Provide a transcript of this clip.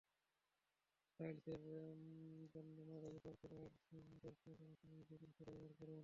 টাইলসের জন্যতেল, ময়লাযুক্ত চিটচিটে টাইলস পরিষ্কার করার সময় বেকিং সোডা ব্যবহার করুন।